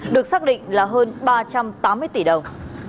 được xác định là hơn ba trăm tám mươi tỷ đồng